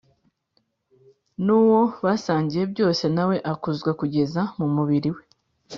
n’uwo basangiye byose na we akuzwa kugeza mu mubiri we